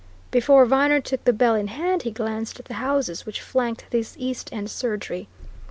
Before Viner took the bell in hand, he glanced at the houses which flanked this East end surgery.